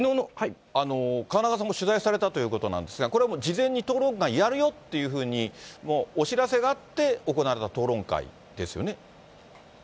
河中さんも取材されたということなんですが、これはもう事前に討論会やるよっていうふうに、もうお知らせがあって、行われた討論会ですよね？